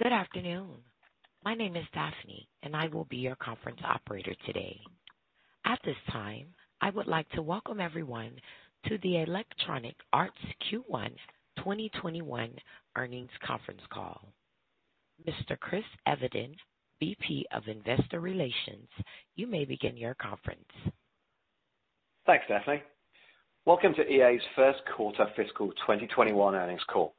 Good afternoon. My name is Daphne, and I will be your conference operator today. At this time, I would like to welcome everyone to the Electronic Arts Q1 2021 earnings conference call. Mr. Chris Evenden, VP of Investor Relations, you may begin your conference. Thanks, Daphne. Welcome to EA's first quarter fiscal 2021 earnings call.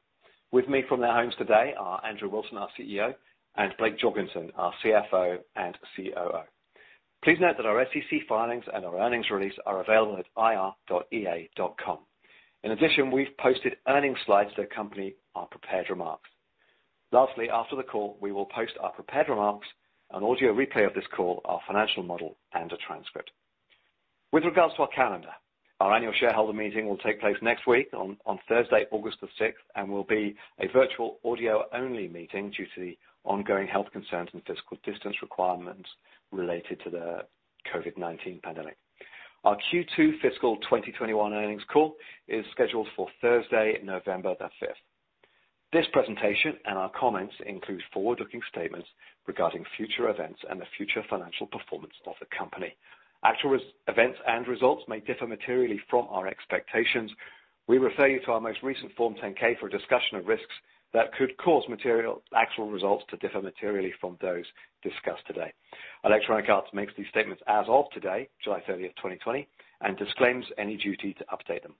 With me from their homes today are Andrew Wilson, our CEO, and Blake Jorgensen, our CFO and COO. Please note that our SEC filings and our earnings release are available at ir.ea.com. We've posted earning slides that accompany our prepared remarks. After the call, we will post our prepared remarks, an audio replay of this call, our financial model, and a transcript. With regards to our calendar, our annual shareholder meeting will take place next week on Thursday, August the 6th, and will be a virtual audio-only meeting due to the ongoing health concerns and physical distance requirements related to the COVID-19 pandemic. Our Q2 fiscal 2021 earnings call is scheduled for Thursday, November the 5th. This presentation and our comments include forward-looking statements regarding future events and the future financial performance of the company. Actual events and results may differ materially from our expectations. We refer you to our most recent Form 10-K for a discussion of risks that could cause material actual results to differ materially from those discussed today. Electronic Arts makes these statements as of today, July 30th, 2020, and disclaims any duty to update them.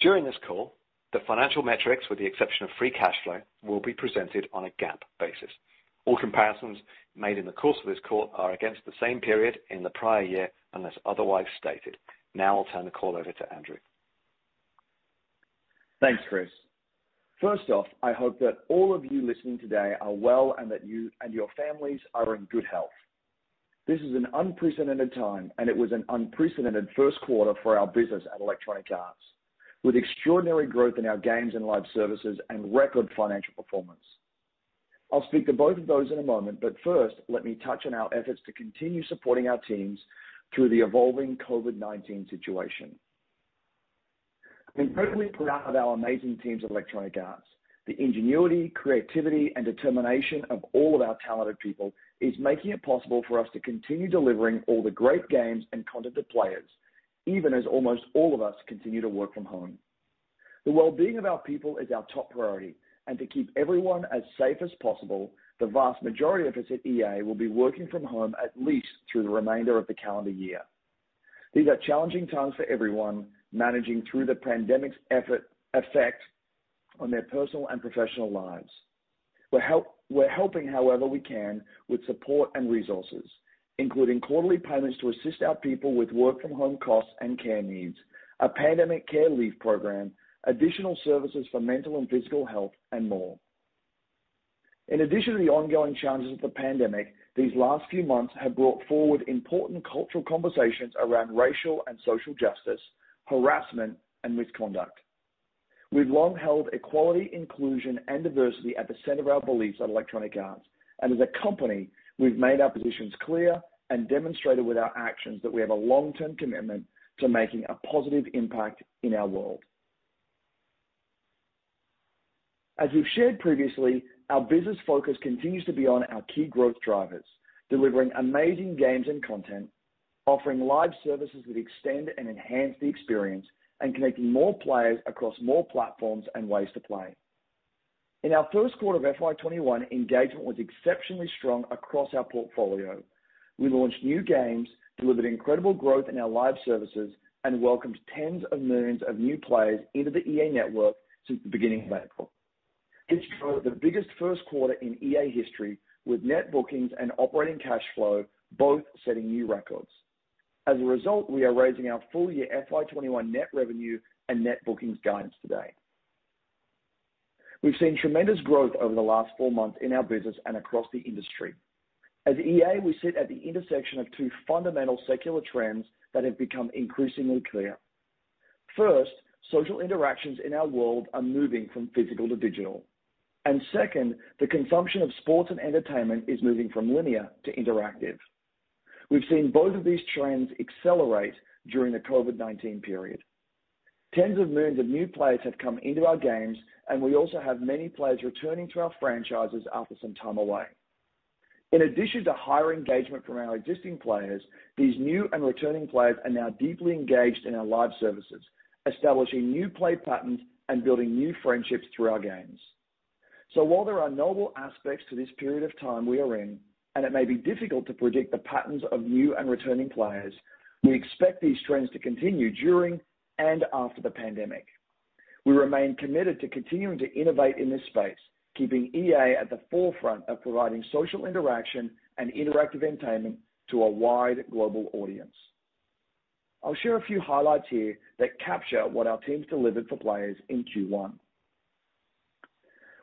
During this call, the financial metrics, with the exception of free cash flow, will be presented on a GAAP basis. All comparisons made in the course of this call are against the same period in the prior year, unless otherwise stated. I'll turn the call over to Andrew. Thanks, Chris. First off, I hope that all of you listening today are well and that you and your families are in good health. This is an unprecedented time, and it was an unprecedented first quarter for our business at Electronic Arts, with extraordinary growth in our games and live services and record financial performance. I'll speak to both of those in a moment, but first, let me touch on our efforts to continue supporting our teams through the evolving COVID-19 situation. I'm incredibly proud of our amazing teams at Electronic Arts. The ingenuity, creativity, and determination of all of our talented people is making it possible for us to continue delivering all the great games and content to players, even as almost all of us continue to work from home. The well-being of our people is our top priority, and to keep everyone as safe as possible, the vast majority of us at EA will be working from home at least through the remainder of the calendar year. These are challenging times for everyone managing through the pandemic's effect on their personal and professional lives. We're helping however we can with support and resources, including quarterly payments to assist our people with work-from-home costs and care needs, a pandemic care leave program, additional services for mental and physical health, and more. In addition to the ongoing challenges of the pandemic, these last few months have brought forward important cultural conversations around racial and social justice, harassment, and misconduct. We've long held equality, inclusion, and diversity at the center of our beliefs at Electronic Arts, and as a company, we've made our positions clear and demonstrated with our actions that we have a long-term commitment to making a positive impact in our world. As we've shared previously, our business focus continues to be on our key growth drivers: delivering amazing games and content, offering live services that extend and enhance the experience, and connecting more players across more platforms and ways to play. In our first quarter of FY 2021, engagement was exceptionally strong across our portfolio. We launched new games, delivered incredible growth in our live services, and welcomed tens of millions of new players into the EA network since the beginning of April. This drove the biggest first quarter in EA history, with net bookings and operating cash flow both setting new records. As a result, we are raising our full-year FY 2021 net revenue and net bookings guidance today. We've seen tremendous growth over the last four months in our business and across the industry. As EA, we sit at the intersection of two fundamental secular trends that have become increasingly clear. First, social interactions in our world are moving from physical to digital. Second, the consumption of sports and entertainment is moving from linear to interactive. We've seen both of these trends accelerate during the COVID-19 period. Tens of millions of new players have come into our games, and we also have many players returning to our franchises after some time away. In addition to higher engagement from our existing players, these new and returning players are now deeply engaged in our live services, establishing new play patterns and building new friendships through our games. While there are novel aspects to this period of time we are in, and it may be difficult to predict the patterns of new and returning players, we expect these trends to continue during and after the pandemic. We remain committed to continuing to innovate in this space, keeping EA at the forefront of providing social interaction and interactive entertainment to a wide global audience. I'll share a few highlights here that capture what our teams delivered for players in Q1.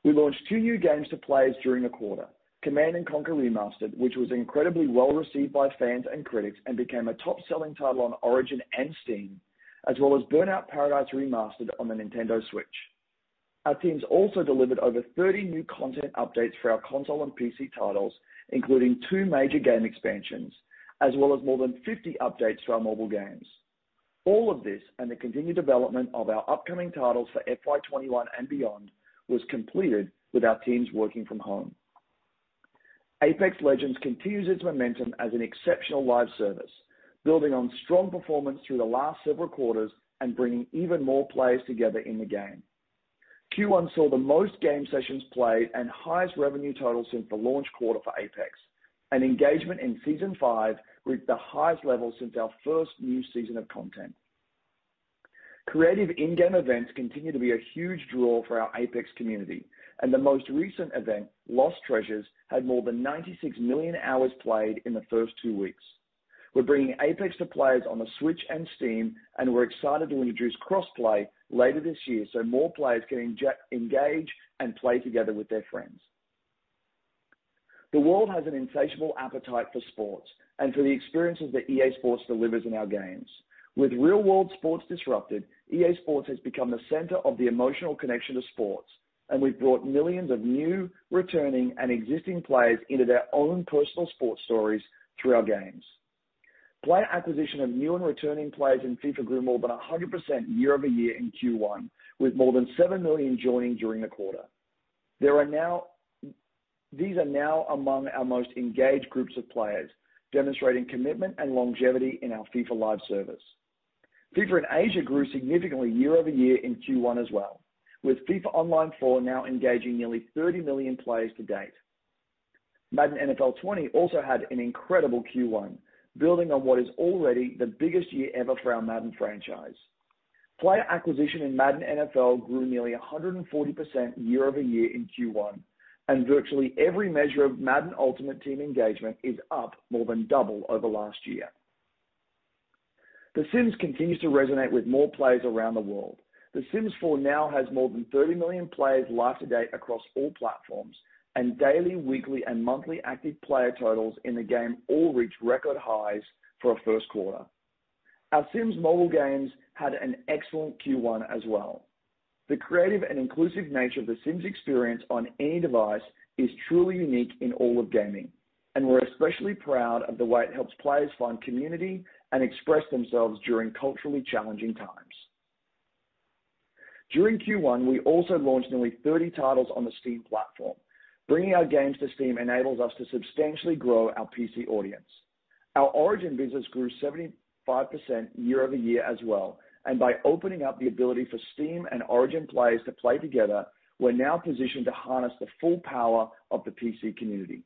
We launched two new games to players during the quarter, Command & Conquer Remastered, which was incredibly well-received by fans and critics and became a top-selling title on Origin and Steam, as well as Burnout Paradise Remastered on the Nintendo Switch. Our teams also delivered over 30 new content updates for our console and PC titles, including two major game expansions, as well as more than 50 updates to our mobile games. All of this and the continued development of our upcoming titles for FY 2021 and beyond was completed with our teams working from home. Apex Legends continues its momentum as an exceptional live service, building on strong performance through the last several quarters and bringing even more players together in the game. Q1 saw the most game sessions played and highest revenue total since the launch quarter for Apex, and engagement in Season Five reached the highest level since our first new season of content. Creative in-game events continue to be a huge draw for our Apex community, and the most recent event, Lost Treasures, had more than 96 million hours played in the first two weeks. We're bringing Apex to players on the Switch and Steam. We're excited to introduce cross-play later this year so more players can engage and play together with their friends. The world has an insatiable appetite for sports and for the experiences that EA Sports delivers in our games. With real-world sports disrupted, EA Sports has become the center of the emotional connection to sports. We've brought millions of new, returning, and existing players into their own personal sports stories through our games. Player acquisition of new and returning players in FIFA grew more than 100% year-over-year in Q1, with more than seven million joining during the quarter. These are now among our most engaged groups of players, demonstrating commitment and longevity in our FIFA live service. FIFA in Asia grew significantly year-over-year in Q1 as well, with FIFA Online 4 now engaging nearly 30 million players to date. Madden NFL 20 also had an incredible Q1, building on what is already the biggest year ever for our Madden franchise. Player acquisition in Madden NFL grew nearly 140% year-over-year in Q1, and virtually every measure of Madden Ultimate Team engagement is up more than double over last year. The Sims continues to resonate with more players around the world. The Sims 4 now has more than 30 million players live to date across all platforms, and daily, weekly, and monthly active player totals in the game all reached record highs for a first quarter. Our Sims mobile games had an excellent Q1 as well. The creative and inclusive nature of The Sims experience on any device is truly unique in all of gaming, and we're especially proud of the way it helps players find community and express themselves during culturally challenging times. During Q1, we also launched nearly 30 titles on the Steam platform. Bringing our games to Steam enables us to substantially grow our PC audience. Our Origin business grew 75% year-over-year as well, and by opening up the ability for Steam and Origin players to play together, we're now positioned to harness the full power of the PC community.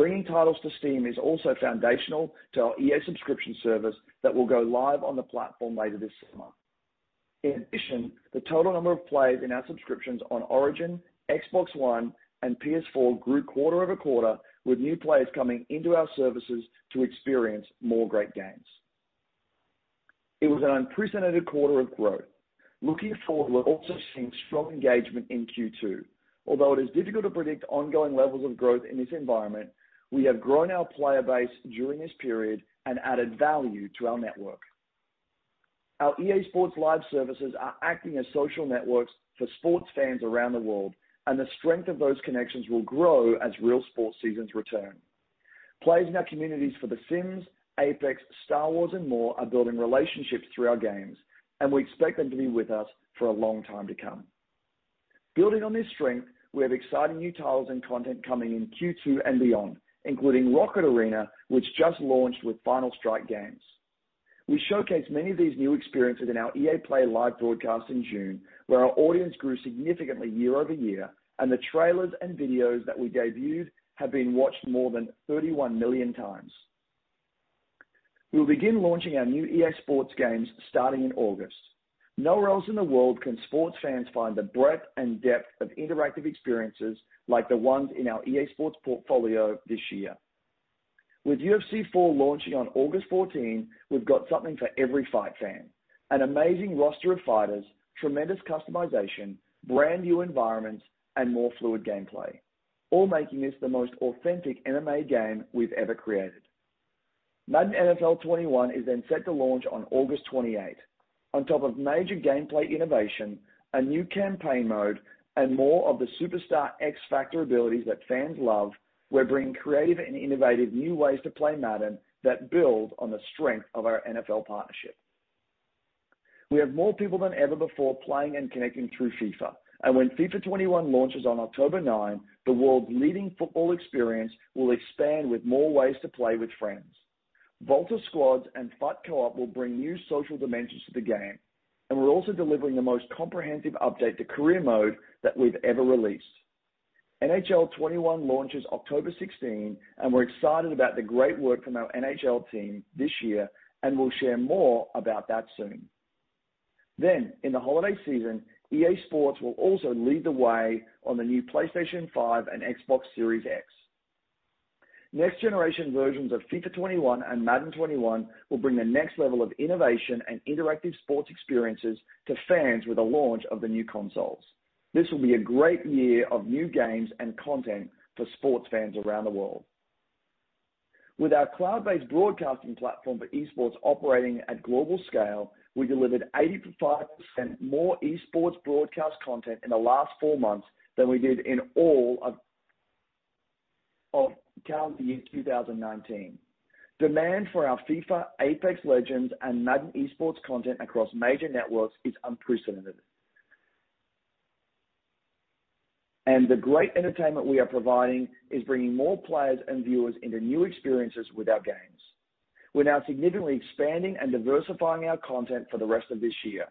Bringing titles to Steam is also foundational to our EA subscription service that will go live on the platform later this summer. In addition, the total number of players in our subscriptions on Origin, Xbox One, and PS4 grew quarter-over-quarter, with new players coming into our services to experience more great games. It was an unprecedented quarter of growth. Looking forward, we're also seeing strong engagement in Q2. Although it is difficult to predict ongoing levels of growth in this environment, we have grown our player base during this period and added value to our network. Our EA Sports live services are acting as social networks for sports fans around the world, and the strength of those connections will grow as real sports seasons return. Players in our communities for The Sims, Apex, Star Wars, and more are building relationships through our games, and we expect them to be with us for a long time to come. Building on this strength, we have exciting new titles and content coming in Q2 and beyond, including Rocket Arena, which just launched with Final Strike Games. We showcased many of these new experiences in our EA Play live broadcast in June, where our audience grew significantly year-over-year, and the trailers and videos that we debuted have been watched more than 31 million times. We will begin launching our new EA Sports games starting in August. Nowhere else in the world can sports fans find the breadth and depth of interactive experiences like the ones in our EA Sports portfolio this year. With UFC 4 launching on August 14, we've got something for every fight fan. An amazing roster of fighters, tremendous customization, brand-new environments, and more fluid gameplay, all making this the most authentic MMA game we've ever created. Madden NFL 21 is set to launch on August 28. On top of major gameplay innovation, a new campaign mode, and more of the Superstar X-Factor abilities that fans love, we're bringing creative and innovative new ways to play Madden that build on the strength of our NFL partnership. We have more people than ever before playing and connecting through FIFA. When FIFA 21 launches on October nine, the world's leading football experience will expand with more ways to play with friends. VOLTA Squads and FUT Co-Op will bring new social dimensions to the game, and we're also delivering the most comprehensive update to career mode that we've ever released. NHL 21 launches October 16, and we're excited about the great work from our NHL team this year, and we'll share more about that soon. In the holiday season, EA Sports will also lead the way on the new PlayStation 5 and Xbox Series X. Next-generation versions of FIFA 21 and Madden 21 will bring the next level of innovation and interactive sports experiences to fans with the launch of the new consoles. This will be a great year of new games and content for sports fans around the world. With our cloud-based broadcasting platform for esports operating at global scale, we delivered 85% more esports broadcast content in the last four months than we did in all of calendar year 2019. Demand for our FIFA, Apex Legends, and Madden esports content across major networks is unprecedented. The great entertainment we are providing is bringing more players and viewers into new experiences with our games. We're now significantly expanding and diversifying our content for the rest of this year.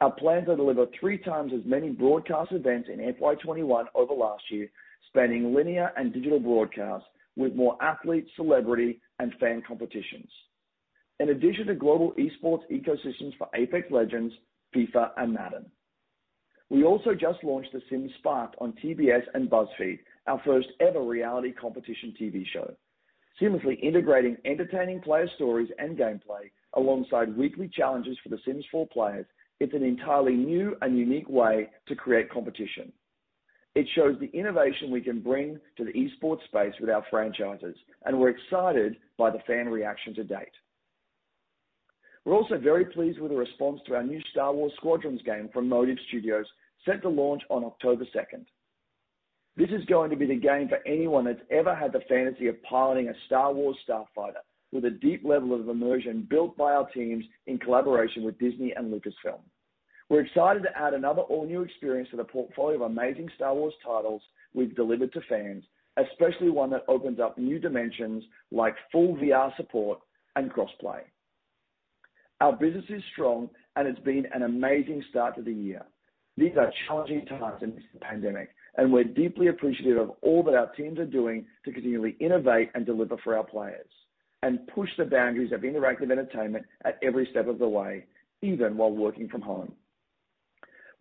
Our plans are to deliver three times as many broadcast events in FY 2021 over last year, spanning linear and digital broadcast, with more athlete, celebrity, and fan competitions. In addition to global esports ecosystems for Apex Legends, FIFA, and Madden. We also just launched The Sims Spark'd on TBS and BuzzFeed, our first-ever reality competition TV show. Seamlessly integrating entertaining player stories and gameplay alongside weekly challenges for The Sims 4 players, it's an entirely new and unique way to create competition. It shows the innovation we can bring to the esports space with our franchises, and we're excited by the fan reaction to date. We're also very pleased with the response to our new Star Wars: Squadrons game from Motive Studios, set to launch on October 2nd. This is going to be the game for anyone that's ever had the fantasy of piloting a Star Wars Starfighter with a deep level of immersion built by our teams in collaboration with Disney and Lucasfilm. We're excited to add another all-new experience to the portfolio of amazing Star Wars titles we've delivered to fans, especially one that opens up new dimensions like full VR support and cross-play. Our business is strong, and it's been an amazing start to the year. These are challenging times amidst the pandemic, and we're deeply appreciative of all that our teams are doing to continually innovate and deliver for our players and push the boundaries of interactive entertainment at every step of the way, even while working from home.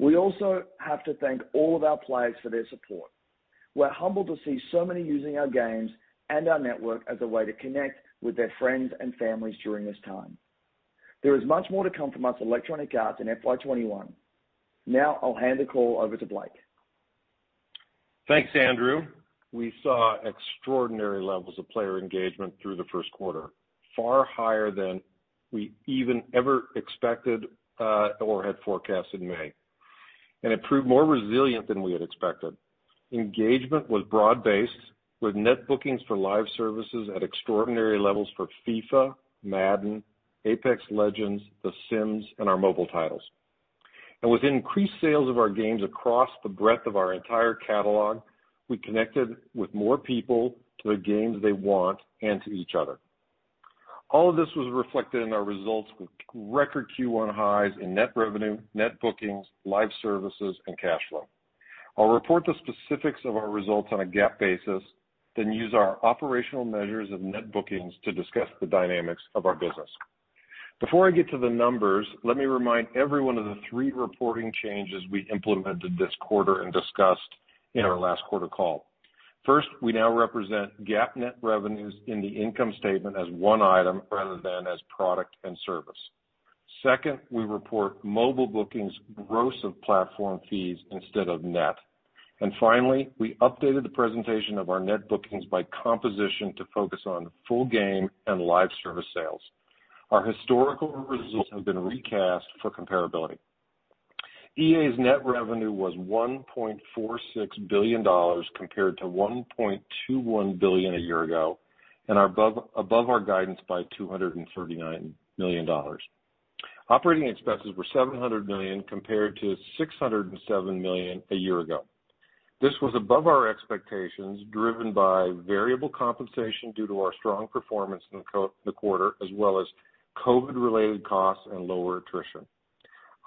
We also have to thank all of our players for their support. We're humbled to see so many using our games and our network as a way to connect with their friends and families during this time. There is much more to come from us at Electronic Arts in FY 2021. Now I'll hand the call over to Blake. Thanks, Andrew. We saw extraordinary levels of player engagement through the first quarter, far higher than we even ever expected or had forecasted in May. It proved more resilient than we had expected. Engagement was broad-based, with net bookings for live services at extraordinary levels for FIFA, Madden, Apex Legends, The Sims, and our mobile titles. With increased sales of our games across the breadth of our entire catalog, we connected with more people to the games they want and to each other. All of this was reflected in our results with record Q1 highs in net revenue, net bookings, live services, and cash flow. I'll report the specifics of our results on a GAAP basis, then use our operational measures of net bookings to discuss the dynamics of our business. Before I get to the numbers, let me remind everyone of the three reporting changes we implemented this quarter and discussed in our last quarter call. First, we now represent GAAP net revenues in the income statement as one item rather than as product and service. Second, we report mobile bookings gross of platform fees instead of net. Finally, we updated the presentation of our net bookings by composition to focus on full game and live service sales. Our historical results have been recast for comparability. EA's net revenue was $1.46 billion, compared to $1.21 billion a year ago, and above our guidance by $239 million. Operating expenses were $700 million compared to $607 million a year ago. This was above our expectations, driven by variable compensation due to our strong performance in the quarter, as well as COVID-related costs and lower attrition.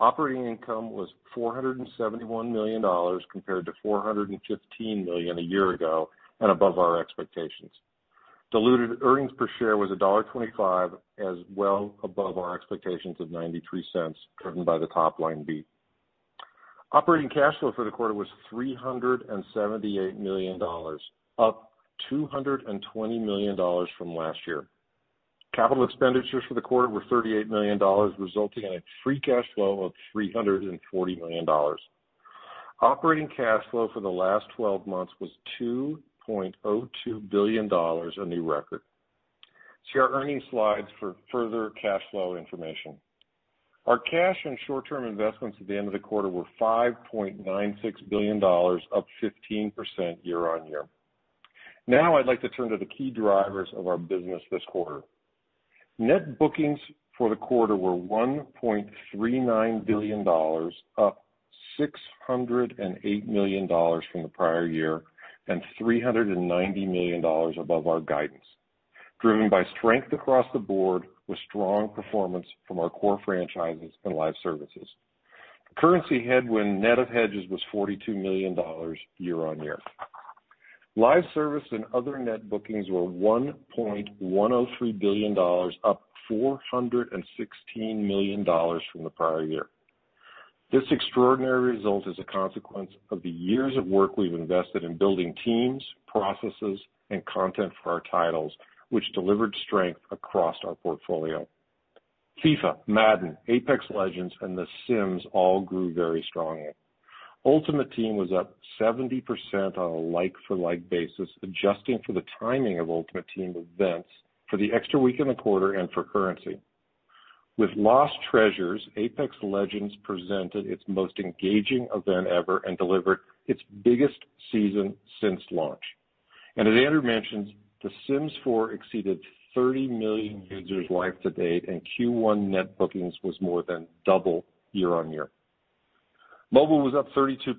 Operating income was $471 million, compared to $415 million a year ago, and above our expectations. Diluted earnings per share was $1.25, as well above our expectations of $0.93, driven by the top-line beat. Operating cash flow for the quarter was $378 million, up $220 million from last year. Capital expenditures for the quarter were $38 million, resulting in a free cash flow of $340 million. Operating cash flow for the last 12 months was $2.02 billion, a new record. See our earnings slides for further cash flow information. Our cash and short-term investments at the end of the quarter were $5.96 billion, up 15% year-over-year. Now I'd like to turn to the key drivers of our business this quarter. Net bookings for the quarter were $1.39 billion, up $608 million from the prior year and $390 million above our guidance, driven by strength across the board with strong performance from our core franchises and live services. Currency headwind net of hedges was $42 million year-on-year. Live service and other net bookings were $1.103 billion, up $416 million from the prior year. This extraordinary result is a consequence of the years of work we've invested in building teams, processes, and content for our titles, which delivered strength across our portfolio. FIFA, Madden, Apex Legends, and The Sims all grew very strongly. Ultimate Team was up 70% on a like-for-like basis, adjusting for the timing of Ultimate Team events for the extra week in the quarter and for currency. With Lost Treasures, Apex Legends presented its most engaging event ever and delivered its biggest season since launch. As Andrew mentioned, The Sims 4 exceeded 30 million users live to date, and Q1 net bookings was more than double year-on-year. Mobile was up 32%,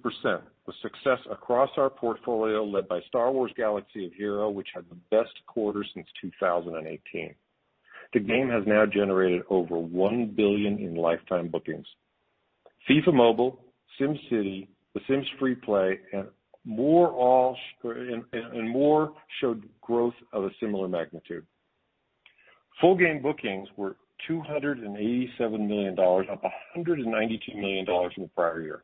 with success across our portfolio led by Star Wars: Galaxy of Heroes, which had the best quarter since 2018. The game has now generated over $1 billion in lifetime bookings. FIFA Mobile, SimCity, The Sims FreePlay, and more showed growth of a similar magnitude. Full game bookings were $287 million, up $192 million from the prior year.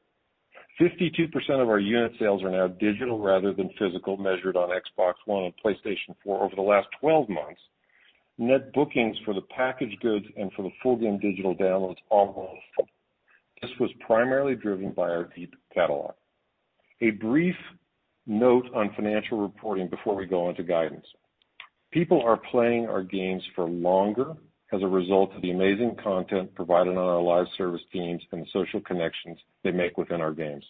52% of our unit sales are now digital rather than physical, measured on Xbox One and PlayStation 4 over the last 12 months. Net bookings for the packaged goods and for the full game digital downloads all grew. This was primarily driven by our deep catalog. A brief note on financial reporting before we go into guidance. People are playing our games for longer as a result of the amazing content provided on our live service teams and the social connections they make within our games.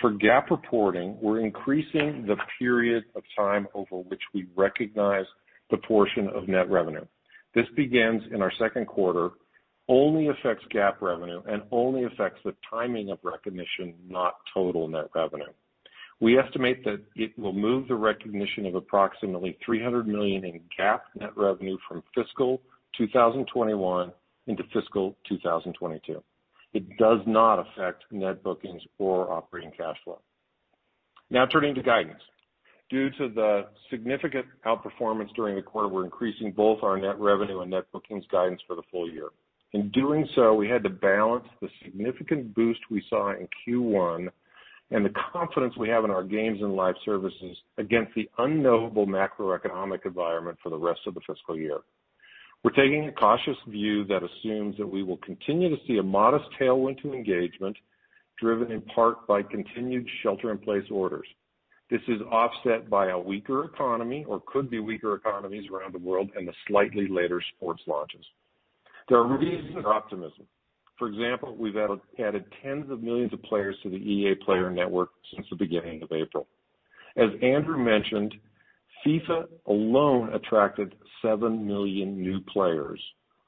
For GAAP reporting, we're increasing the period of time over which we recognize the portion of net revenue. This begins in our second quarter, only affects GAAP revenue, and only affects the timing of recognition, not total net revenue. We estimate that it will move the recognition of approximately $300 million in GAAP net revenue from fiscal 2021 into fiscal 2022. It does not affect net bookings or operating cash flow. Turning to guidance. Due to the significant outperformance during the quarter, we're increasing both our net revenue and net bookings guidance for the full year. In doing so, we had to balance the significant boost we saw in Q1 and the confidence we have in our games and live services against the unknowable macroeconomic environment for the rest of the fiscal year. We're taking a cautious view that assumes that we will continue to see a modest tailwind to engagement, driven in part by continued shelter in place orders. This is offset by a weaker economy or could be weaker economies around the world and the slightly later sports launches. There are reasons for optimism. For example, we've added tens of millions of players to the EA player network since the beginning of April. As Andrew mentioned, FIFA alone attracted 7 million new players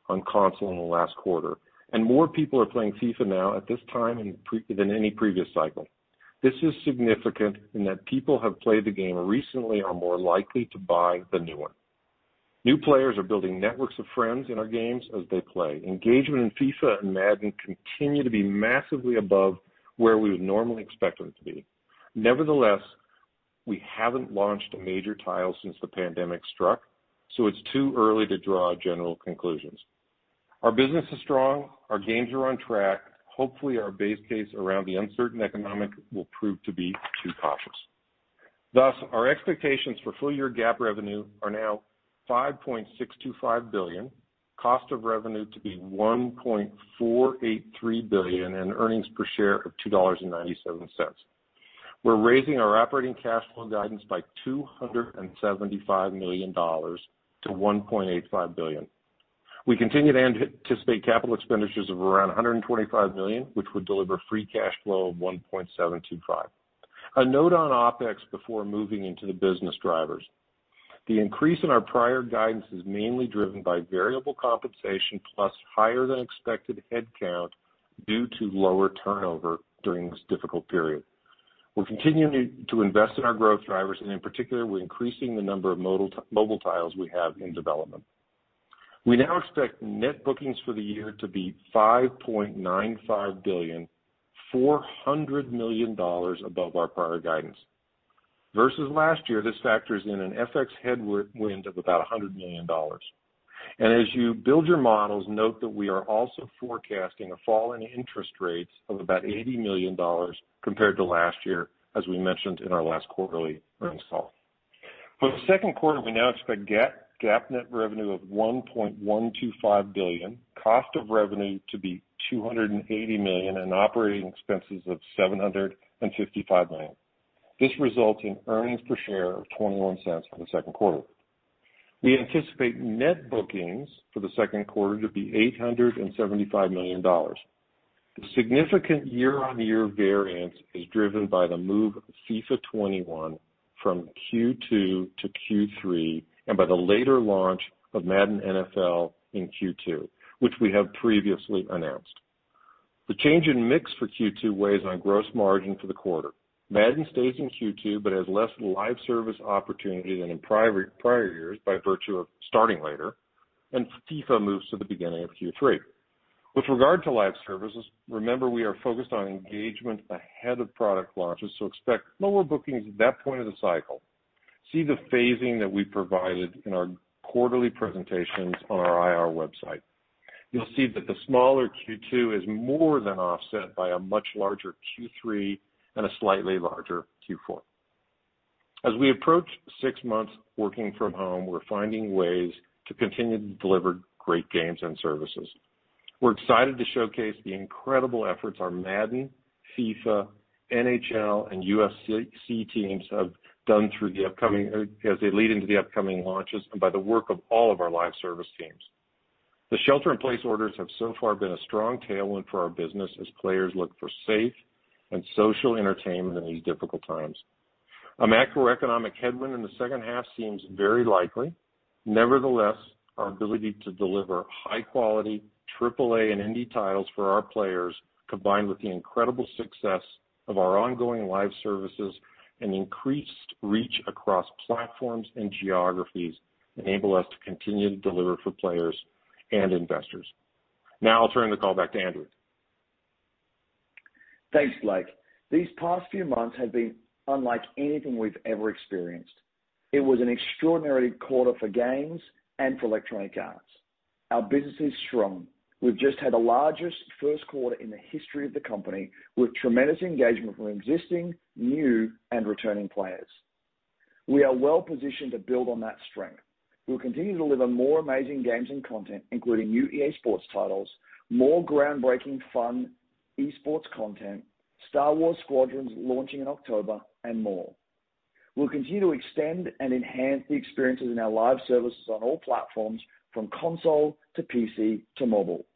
on console in the last quarter, and more people are playing FIFA now at this time than any previous cycle. This is significant in that people have played the game recently are more likely to buy the new one. New players are building networks of friends in our games as they play. Engagement in FIFA and Madden continue to be massively above where we would normally expect them to be. Nevertheless, we haven't launched a major title since the pandemic struck, so it's too early to draw general conclusions. Our business is strong. Our games are on track. Hopefully, our base case around the uncertain economy will prove to be too cautious. Our expectations for full year GAAP revenue are now $5.625 billion, cost of revenue to be $1.483 billion, and earnings per share of $2.97. We're raising our operating cash flow guidance by $275 million to $1.85 billion. We continue to anticipate capital expenditures of around $125 million, which would deliver free cash flow of $1.725. A note on OpEx before moving into the business drivers. The increase in our prior guidance is mainly driven by variable compensation plus higher than expected head count due to lower turnover during this difficult period. We're continuing to invest in our growth drivers, and in particular, we're increasing the number of mobile titles we have in development. We now expect net bookings for the year to be $5.95 billion, $400 million above our prior guidance. Versus last year, this factors in an FX headwind of about $100 million. As you build your models, note that we are also forecasting a fall in interest rates of about $80 million compared to last year, as we mentioned in our last quarterly earnings call. For the second quarter, we now expect GAAP net revenue of $1.125 billion, cost of revenue to be $280 million, and operating expenses of $755 million. This results in earnings per share of $0.21 for the second quarter. We anticipate net bookings for the second quarter to be $875 million. The significant year-on-year variance is driven by the move of FIFA 21 from Q2 to Q3 and by the later launch of Madden NFL in Q2, which we have previously announced. The change in mix for Q2 weighs on gross margin for the quarter. Madden stays in Q2 but has less live service opportunity than in prior years by virtue of starting later, and FIFA moves to the beginning of Q3. With regard to live services, remember we are focused on engagement ahead of product launches, so expect lower bookings at that point of the cycle. See the phasing that we provided in our quarterly presentations on our IR website. You'll see that the smaller Q2 is more than offset by a much larger Q3 and a slightly larger Q4. As we approach six months working from home, we're finding ways to continue to deliver great games and services. We're excited to showcase the incredible efforts our Madden, FIFA, NHL, and UFC teams have done as they lead into the upcoming launches and by the work of all of our live service teams. The shelter-in-place orders have so far been a strong tailwind for our business as players look for safe and social entertainment in these difficult times. A macroeconomic headwind in the second half seems very likely. Nevertheless, our ability to deliver high-quality AAA and indie titles for our players, combined with the incredible success of our ongoing live services and increased reach across platforms and geographies, enable us to continue to deliver for players and investors. Now I'll turn the call back to Andrew. Thanks, Blake. These past few months have been unlike anything we've ever experienced. It was an extraordinary quarter for games and for Electronic Arts. Our business is strong. We've just had the largest first quarter in the history of the company, with tremendous engagement from existing, new, and returning players. We are well-positioned to build on that strength. We'll continue to deliver more amazing games and content, including new EA Sports titles, more groundbreaking fun esports content, Star Wars: Squadrons launching in October, and more. We'll continue to extend and enhance the experiences in our live services on all platforms, from console to PC to mobile.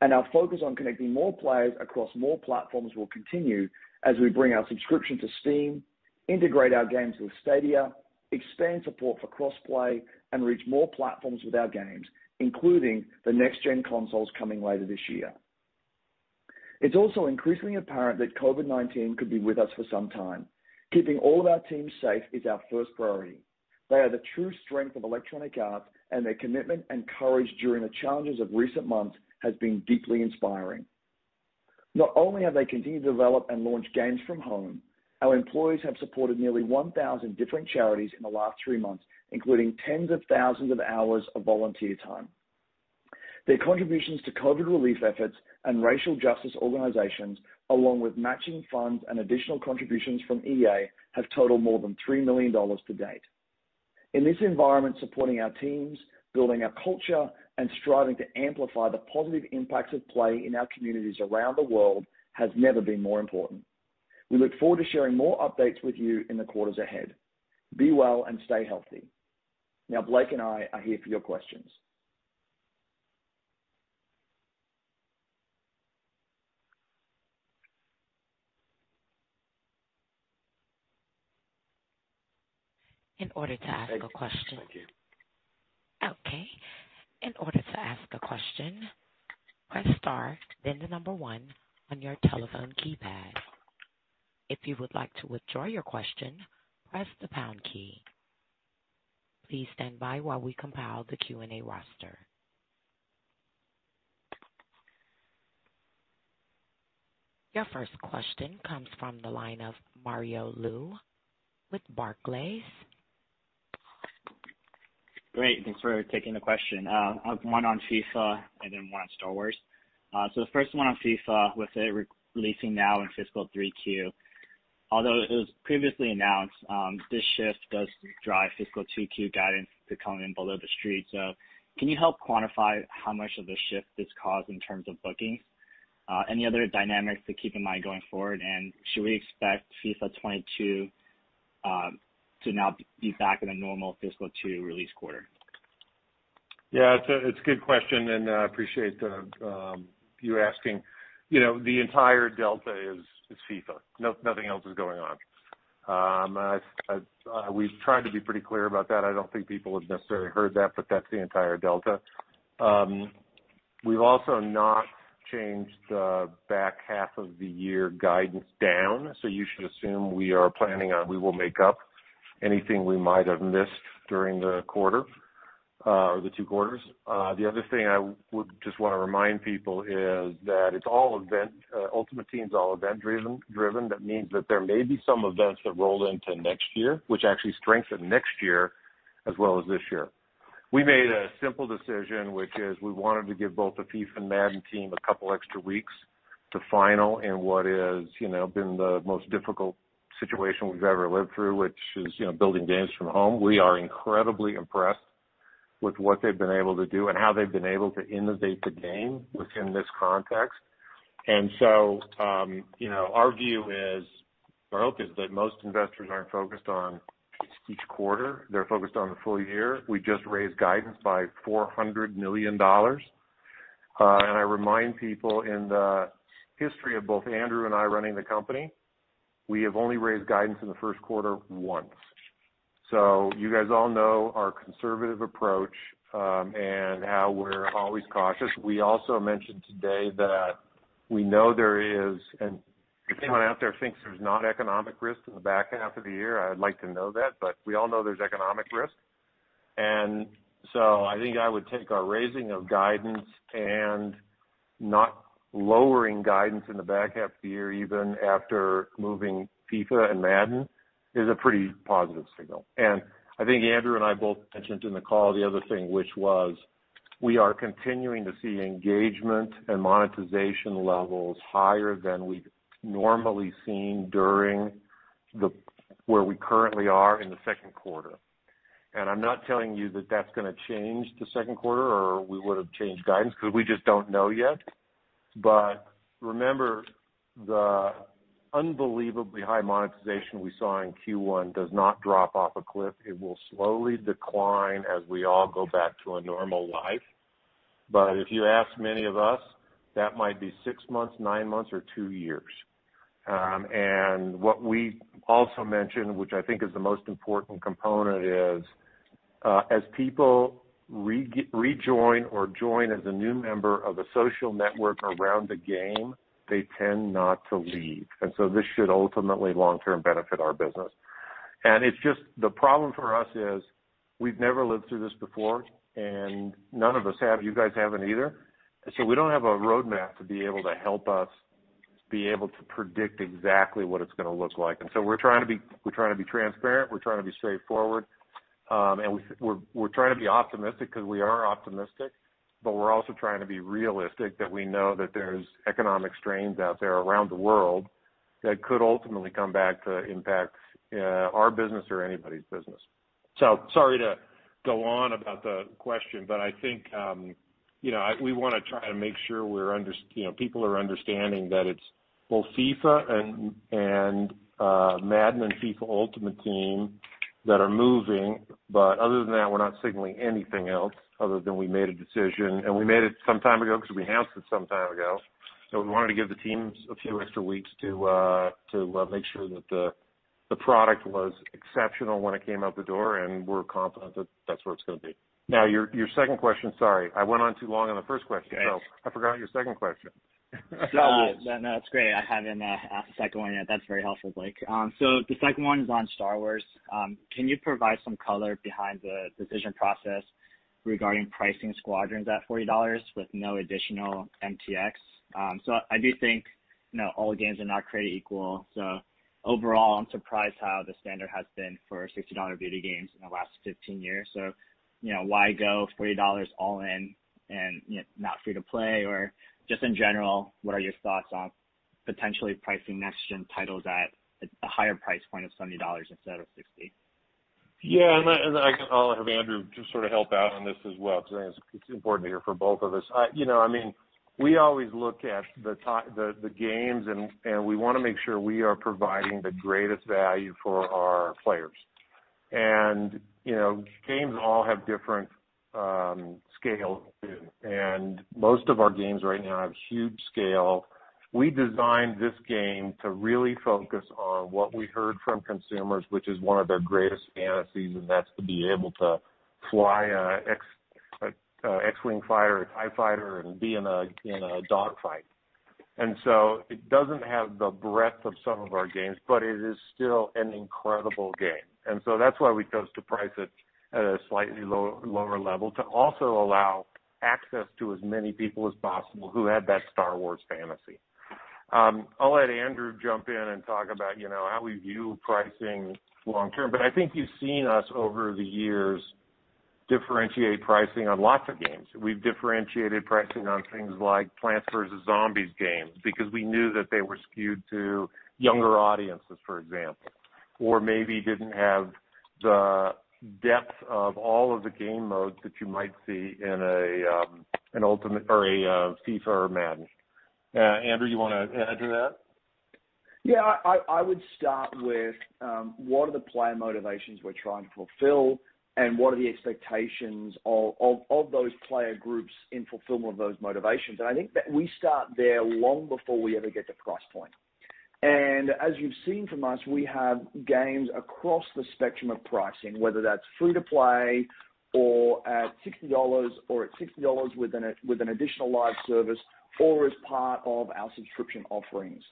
Our focus on connecting more players across more platforms will continue as we bring our subscription to Steam, integrate our games with Stadia, expand support for cross-play, and reach more platforms with our games, including the next-gen consoles coming later this year. It's also increasingly apparent that COVID-19 could be with us for some time. Keeping all of our teams safe is our first priority. They are the true strength of Electronic Arts, and their commitment and courage during the challenges of recent months has been deeply inspiring. Not only have they continued to develop and launch games from home, our employees have supported nearly 1,000 different charities in the last three months, including tens of thousands of hours of volunteer time. Their contributions to COVID relief efforts and racial justice organizations, along with matching funds and additional contributions from EA, have totaled more than $3 million to date. In this environment, supporting our teams, building our culture, and striving to amplify the positive impacts of play in our communities around the world has never been more important. We look forward to sharing more updates with you in the quarters ahead. Be well and stay healthy. Now Blake and I are here for your questions. In order to ask a question- Thank you. Okay. In order to ask a question, press star, then the number one on your telephone keypad. If you would like to withdraw your question, press the pound key. Please stand by while we compile the Q&A roster. Your first question comes from the line of Mario Lu with Barclays. Great, thanks for taking the question. I have one on FIFA and then one on Star Wars. The first one on FIFA, with it releasing now in fiscal 3Q. Although it was previously announced, this shift does drive fiscal 2Q guidance to come in below the street. Can you help quantify how much of a shift this caused in terms of bookings? Any other dynamics to keep in mind going forward, and should we expect FIFA 22 to now be back in a normal fiscal two release quarter? Yeah. It's a good question, and I appreciate you asking. The entire delta is FIFA. Nothing else is going on. We've tried to be pretty clear about that. I don't think people have necessarily heard that, but that's the entire delta. We've also not changed the back half of the year guidance down. You should assume we are planning on we will make up anything we might have missed during the quarter, or the two quarters. The other thing I would just want to remind people is that Ultimate Team's all event-driven. That means that there may be some events that roll into next year, which actually strengthen next year as well as this year. We made a simple decision, which is we wanted to give both the FIFA and Madden team a couple extra weeks to final in what has been the most difficult situation we've ever lived through, which is building games from home. We are incredibly impressed with what they've been able to do and how they've been able to innovate the game within this context. Our hope is that most investors aren't focused on each quarter. They're focused on the full year. We just raised guidance by $400 million. I remind people, in the history of both Andrew and I running the company, we have only raised guidance in the first quarter once. You guys all know our conservative approach, and how we're always cautious. We also mentioned today that we know. If anyone out there thinks there's not economic risk in the back half of the year, I'd like to know that. We all know there's economic risk. I think I would take our raising of guidance and not lowering guidance in the back half of the year, even after moving FIFA and Madden, is a pretty positive signal. I think Andrew and I both mentioned in the call the other thing, which was we are continuing to see engagement and monetization levels higher than we've normally seen during where we currently are in the second quarter. I'm not telling you that that's going to change the second quarter or we would've changed guidance because we just don't know yet. Remember, the unbelievably high monetization we saw in Q1 does not drop off a cliff. It will slowly decline as we all go back to a normal life. If you ask many of us, that might be six months, nine months or two years. What we also mentioned, which I think is the most important component, is as people rejoin or join as a new member of a social network around a game, they tend not to leave. This should ultimately long term benefit our business. The problem for us is we've never lived through this before and none of us have. You guys haven't either. We don't have a roadmap to be able to help us be able to predict exactly what it's going to look like. We're trying to be transparent. We're trying to be straightforward. We're trying to be optimistic because we are optimistic, but we're also trying to be realistic that we know that there's economic strains out there around the world that could ultimately come back to impact our business or anybody's business. Sorry to go on about the question, but I think we want to try to make sure people are understanding that it's both FIFA and Madden FIFA Ultimate Team that are moving, but other than that, we're not signaling anything else other than we made a decision, and we made it some time ago because we announced it some time ago. We wanted to give the teams a few extra weeks to make sure that the product was exceptional when it came out the door, and we're confident that that's what it's going to be. Your second question, sorry, I went on too long on the first question. It's okay. I forgot your second question. No, that's great. I haven't asked the second one yet. That's very helpful, Blake. The second one is on Star Wars. Can you provide some color behind the decision process regarding pricing Squadrons at $40 with no additional MTX? I do think all games are not created equal. Overall, I'm surprised how the standard has been for $60 video games in the last 15 years. Why go $40 all in and not free to play? Or just in general, what are your thoughts on potentially pricing next-gen titles at a higher price point of $70 instead of $60? Yeah. I'll have Andrew just sort of help out on this as well because I think it's important to hear from both of us. We always look at the games and we want to make sure we are providing the greatest value for our players. Games all have different scales, and most of our games right now have huge scale. We designed this game to really focus on what we heard from consumers, which is one of their greatest fantasies, and that's to be able to fly a X-wing fighter, a TIE Fighter, and be in a dogfight. It doesn't have the breadth of some of our games, but it is still an incredible game. That's why we chose to price it at a slightly lower level to also allow access to as many people as possible who had that Star Wars fantasy. I'll let Andrew jump in and talk about how we view pricing long term. I think you've seen us over the years differentiate pricing on lots of games. We've differentiated pricing on things like Plants vs. Zombies games because we knew that they were skewed to younger audiences, for example, or maybe didn't have the depth of all of the game modes that you might see in a FIFA or Madden. Andrew, you want to add to that? Yeah. I would start with what are the player motivations we're trying to fulfill and what are the expectations of those player groups in fulfillment of those motivations. I think that we start there long before we ever get to price point. As you've seen from us, we have games across the spectrum of pricing, whether that's free to play or at $60 or at $60 with an additional live service, or as part of our subscription offerings.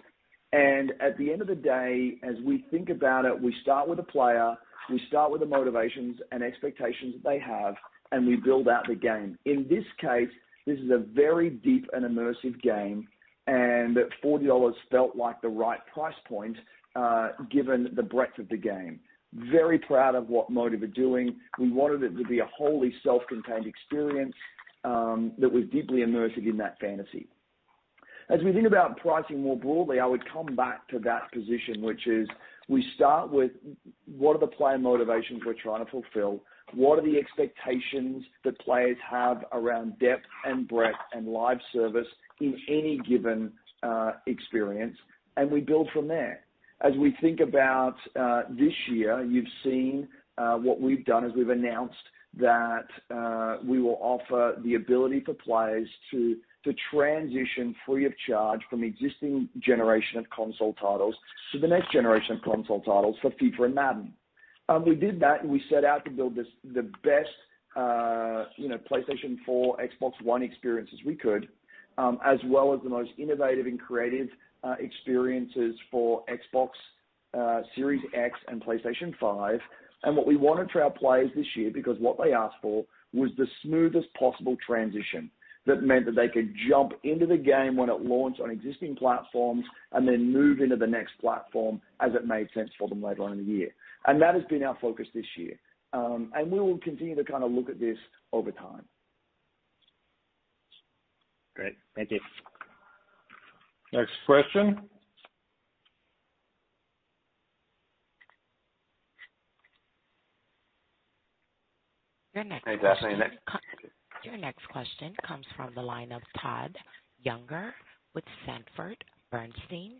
At the end of the day, as we think about it, we start with the player, we start with the motivations and expectations that they have, and we build out the game. In this case, this is a very deep and immersive game, and $40 felt like the right price point given the breadth of the game. Very proud of what Motive are doing. We wanted it to be a wholly self-contained experience that was deeply immersive in that fantasy. As we think about pricing more broadly, I would come back to that position, which is we start with what are the player motivations we're trying to fulfill, what are the expectations that players have around depth and breadth and live service in any given experience, and we build from there. As we think about this year, you've seen what we've done is we've announced that we will offer the ability for players to transition free of charge from existing generation of console titles to the next generation of console titles for FIFA and Madden. We did that. We set out to build the best PlayStation 4, Xbox One experience as we could, as well as the most innovative and creative experiences for Xbox Series X and PlayStation 5. What we wanted for our players this year, because what they asked for, was the smoothest possible transition that meant that they could jump into the game when it launched on existing platforms and then move into the next platform as it made sense for them later on in the year. That has been our focus this year. We will continue to kind of look at this over time. Great. Thank you. Next question. Your next question comes from the line of Todd Juenger with Sanford Bernstein.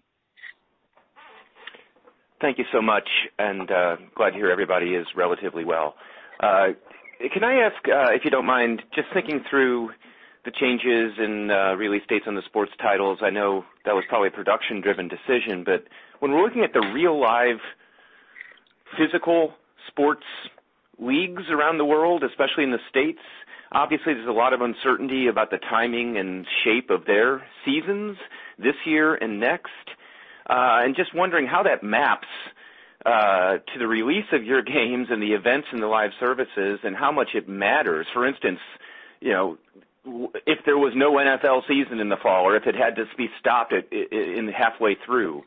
Thank you so much. Glad to hear everybody is relatively well. Can I ask, if you don't mind, just thinking through the changes in release dates on the sports titles. I know that was probably a production-driven decision. When we're looking at the real, live, physical sports leagues around the world, especially in the U.S., obviously, there's a lot of uncertainty about the timing and shape of their seasons this year and next. Just wondering how that maps to the release of your games and the events and the live services, and how much it matters. For instance, if there was no NFL season in the fall or if it had to be stopped halfway through,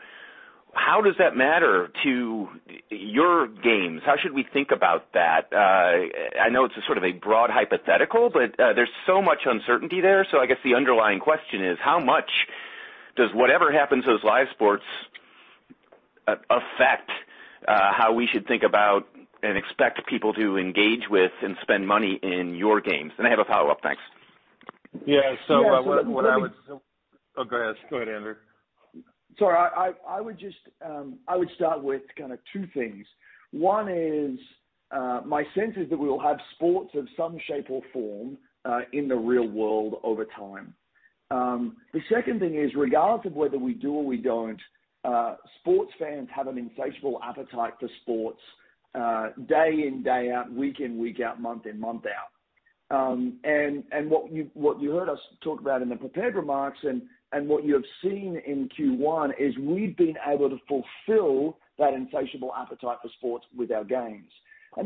how does that matter to your games? How should we think about that? I know it's a sort of a broad hypothetical, but there's so much uncertainty there. I guess the underlying question is how much does whatever happens to those live sports affect how we should think about and expect people to engage with and spend money in your games? I have a follow-up. Thanks. Yeah. Go ahead. Go ahead, Andrew. Sorry. I would start with two things. One is my sense is that we will have sports of some shape or form in the real world over time. The second thing is, regardless of whether we do or we don't, sports fans have an insatiable appetite for sports day in, day out, week in, week out, month in, month out. What you heard us talk about in the prepared remarks and what you have seen in Q1 is we've been able to fulfill that insatiable appetite for sports with our games. When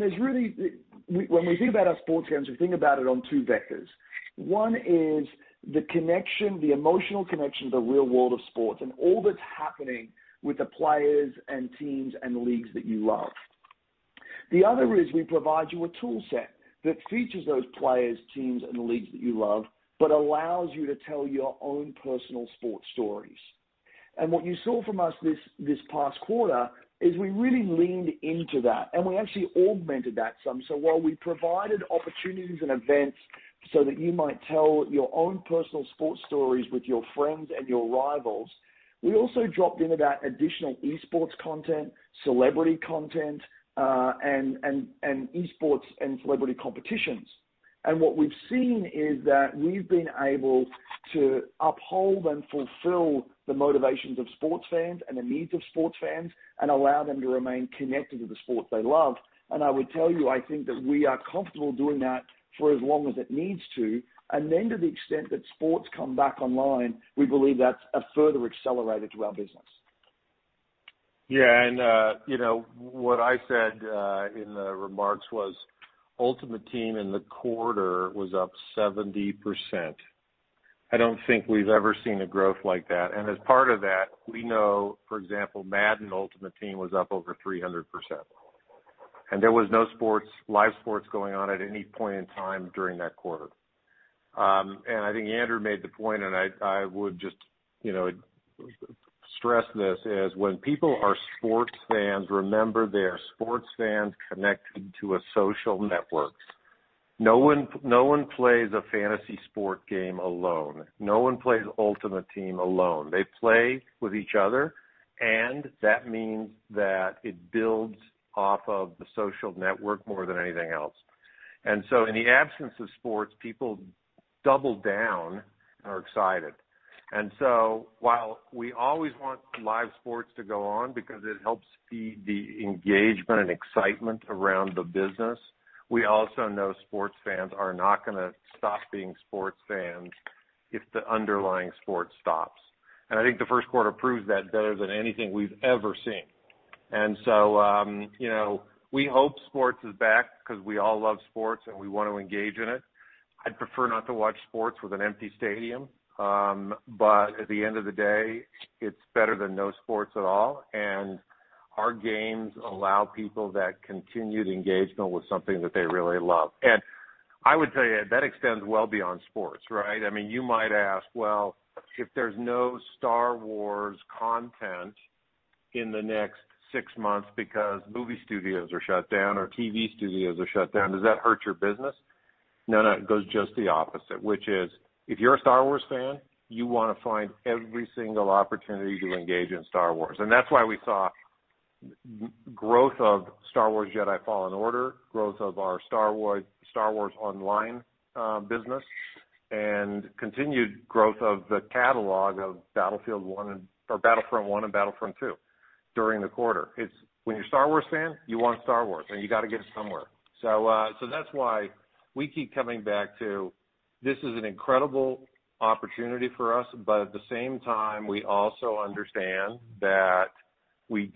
we think about our sports fans, we think about it on two vectors. One is the emotional connection to the real world of sports, and all that's happening with the players and teams and leagues that you love. The other is we provide you a toolset that features those players, teams, and leagues that you love, but allows you to tell your own personal sports stories. What you saw from us this past quarter is we really leaned into that, and we actually augmented that some. While we provided opportunities and events so that you might tell your own personal sports stories with your friends and your rivals, we also dropped in about additional esports content, celebrity content, and esports and celebrity competitions. What we've seen is that we've been able to uphold and fulfill the motivations of sports fans and the needs of sports fans and allow them to remain connected to the sports they love. I would tell you, I think that we are comfortable doing that for as long as it needs to. To the extent that sports come back online, we believe that's a further accelerator to our business. What I said in the remarks was Ultimate Team in the quarter was up 70%. I don't think we've ever seen a growth like that. As part of that, we know, for example, Madden Ultimate Team was up over 300%. There was no live sports going on at any point in time during that quarter. I think Andrew made the point, and I would just stress this, is when people are sports fans, remember they are sports fans connected to a social network. No one plays a fantasy sport game alone. No one plays Ultimate Team alone. They play with each other, and that means that it builds off of the social network more than anything else. In the absence of sports, people double down and are excited. While we always want live sports to go on because it helps feed the engagement and excitement around the business, we also know sports fans are not going to stop being sports fans if the underlying sport stops. I think the first quarter proves that better than anything we've ever seen. We hope sports is back because we all love sports, and we want to engage in it. I'd prefer not to watch sports with an empty stadium. At the end of the day, it's better than no sports at all. Our games allow people that continued engagement with something that they really love. I would tell you that extends well beyond sports, right? You might ask, well, if there's no Star Wars content in the next six months because movie studios are shut down or TV studios are shut down, does that hurt your business? No, it goes just the opposite, which is if you're a Star Wars fan, you want to find every single opportunity to engage in Star Wars. That's why we saw growth of Star Wars Jedi: Fallen Order, growth of our Star Wars online business, and continued growth of the catalog of Battlefront One and Battlefront Two during the quarter. When you're a Star Wars fan, you want Star Wars, and you got to get it somewhere. That's why we keep coming back to this is an incredible opportunity for us. At the same time, we also understand that we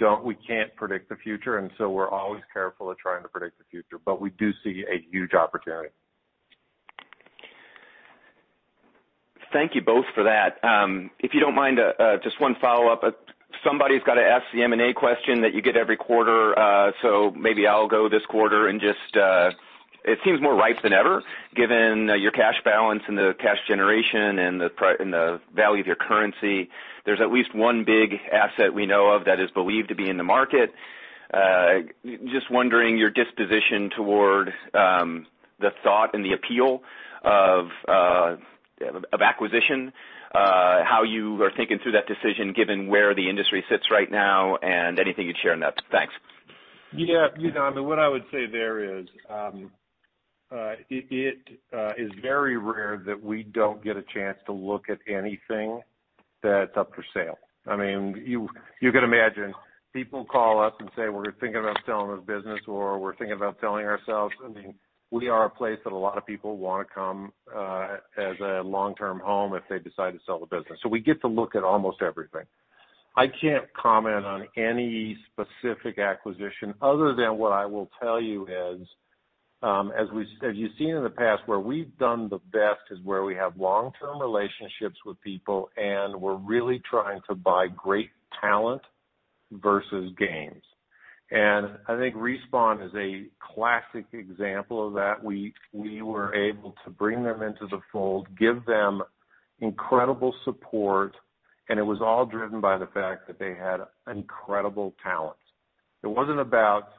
can't predict the future, and so we're always careful of trying to predict the future. We do see a huge opportunity. Thank you both for that. If you don't mind, just one follow-up. Somebody's got to ask the M&A question that you get every quarter. Maybe I'll go this quarter. It seems more ripe than ever given your cash balance and the cash generation and the value of your currency. There's at least one big asset we know of that is believed to be in the market. I'm just wondering your disposition toward the thought and the appeal of acquisition, how you are thinking through that decision, given where the industry sits right now, and anything you'd share on that. Thanks. Yeah. What I would say there is, it is very rare that we don't get a chance to look at anything that's up for sale. You can imagine, people call up and say, "We're thinking about selling this business," or, "We're thinking about selling ourselves." We are a place that a lot of people want to come as a long-term home if they decide to sell the business. We get to look at almost everything. I can't comment on any specific acquisition other than what I will tell you is, as you've seen in the past, where we've done the best is where we have long-term relationships with people, and we're really trying to buy great talent versus games. I think Respawn is a classic example of that. We were able to bring them into the fold, give them incredible support, and it was all driven by the fact that they had incredible talent. It wasn't about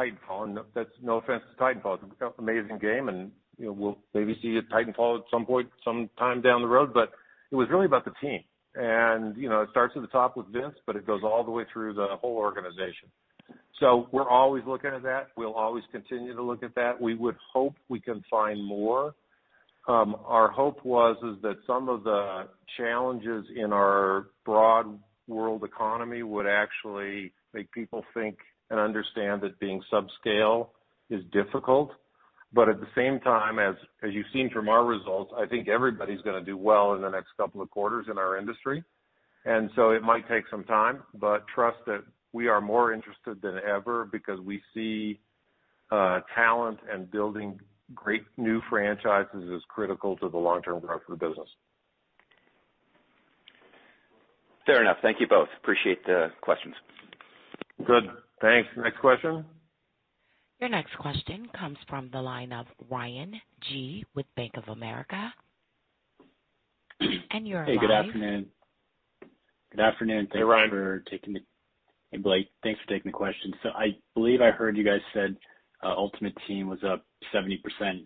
Titanfall, no offense to Titanfall. It's an amazing game, and we'll maybe see a Titanfall at some point some time down the road, but it was really about the team. It starts at the top with Vince, but it goes all the way through the whole organization. We're always looking at that. We'll always continue to look at that. We would hope we can find more. Our hope was is that some of the challenges in our broad world economy would actually make people think and understand that being subscale is difficult. At the same time, as you've seen from our results, I think everybody's going to do well in the next couple of quarters in our industry. It might take some time, but trust that we are more interested than ever because we see talent and building great new franchises as critical to the long-term growth of the business. Fair enough. Thank you both. Appreciate the questions. Good. Thanks. Next question. Your next question comes from the line of Ryan Gee with Bank of America. You are unmuted. Hey, good afternoon. Hey, Ryan. Good afternoon. Thanks for taking Hey, Blake. Thanks for taking the question. I believe I heard you guys said Ultimate Team was up 70%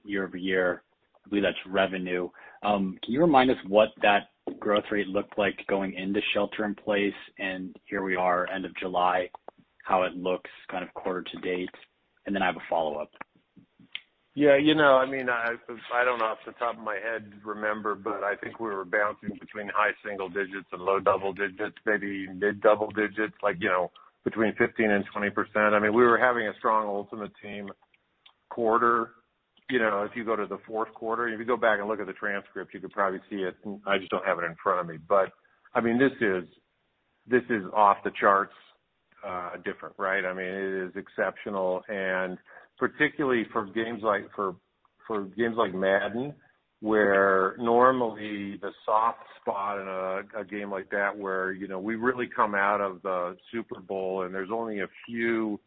year-over-year. I believe that's revenue. Can you remind us what that growth rate looked like going into shelter in place, and here we are end of July, how it looks kind of quarter to date? I have a follow-up. Yeah. I don't know off the top of my head remember, but I think we were bouncing between high single digits and low double digits, maybe mid double digits, between 15%-20%. We were having a strong Ultimate Team quarter. If you go to the fourth quarter, if you go back and look at the transcript, you could probably see it. I just don't have it in front of me. This is off the charts different, right? It is exceptional, and particularly for games like Madden, where normally the soft spot in a game like that where we really come out of the Super Bowl, and there's only a few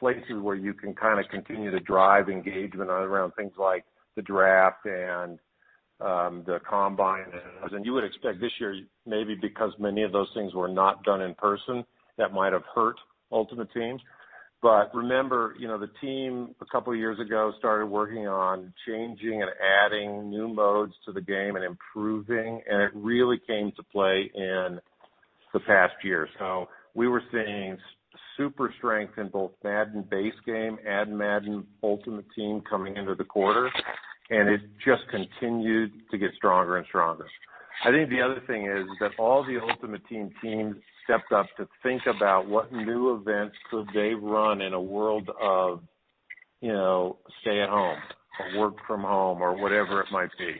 places where you can kind of continue to drive engagement around things like the draft and the combine. You would expect this year, maybe because many of those things were not done in person, that might have hurt Ultimate Team. Remember, the team, a couple of years ago, started working on changing and adding new modes to the game and improving, and it really came to play in the past year. We were seeing super strength in both Madden base game and Madden Ultimate Team coming into the quarter, and it just continued to get stronger and stronger. I think the other thing is that all the Ultimate Team teams stepped up to think about what new events could they run in a world of stay at home or work from home or whatever it might be.